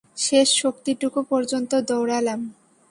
শেষ শক্তিটুকু পর্যন্ত দৌড়ালাম।